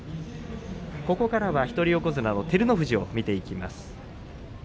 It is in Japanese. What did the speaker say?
ここからは一人横綱の照ノ富士を見ていきます。